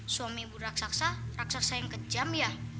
suami bu raksasa raksasa yang kejam ya